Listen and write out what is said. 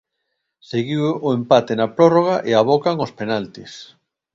Seguiu o empate na prórroga e abocan os penaltis.